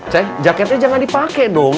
ceng jaketnya jangan dipake dong